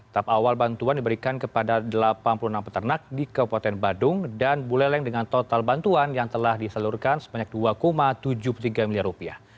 tahap awal bantuan diberikan kepada delapan puluh enam peternak di kabupaten badung dan buleleng dengan total bantuan yang telah diseluruhkan sebanyak dua tujuh puluh tiga miliar rupiah